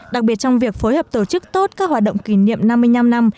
đặc biệt trong việc phối hợp tổ chức tốt các hoạt động kỷ niệm năm mươi năm năm